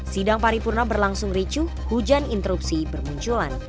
sidang paripurna berlangsung ricu hujan interupsi bermunculan